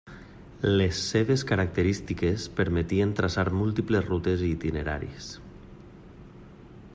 Les seves característiques permetien traçar múltiples rutes i itineraris.